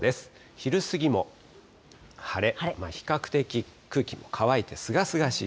昼過ぎも晴れ、比較的空気も乾いてすがすがしい